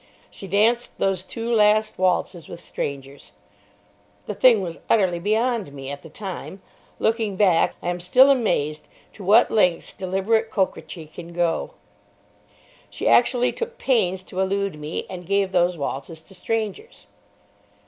She danced those two last waltzes with strangers. The thing was utterly beyond me at the time. Looking back, I am still amazed to what lengths deliberate coquetry can go. She actually took pains to elude me, and gave those waltzes to strangers.